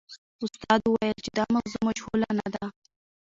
استاد وویل چې دا موضوع مجهوله نه ده.